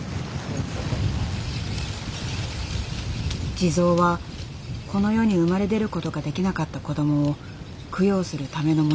地蔵はこの世に生まれ出る事ができなかった子どもを供養するためのものだという。